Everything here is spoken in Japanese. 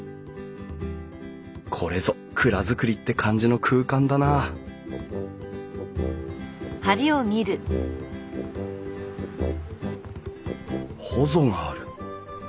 これぞ蔵造りって感じの空間だなほぞがある。